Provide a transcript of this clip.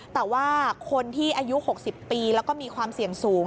แต่ว่าคนที่อายุ๖๐ปีแล้วก็มีความเสี่ยงสูง